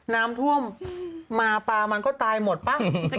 น้ำท่วมมาปลามันก็ตายหมดป่ะ